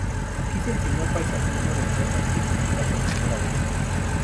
Aquí se enseñó paisajismo de forma específica por primera vez.